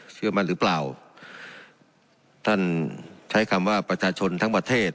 เชื่อมั่นหรือเปล่าท่านใช้คำว่าประชาชนทั้งประเทศ